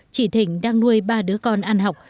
chị thịnh đang nuôi ba đứa con ăn học